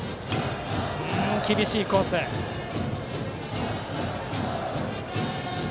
厳しいコースに来た。